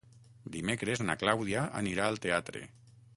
Dimecres na Clàudia anirà al teatre.